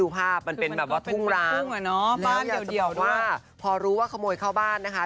มันเป็นแบบว่าทุ่งร้างแล้วอยากจะบอกว่าพอรู้ว่าขโมยเข้าบ้านนะคะ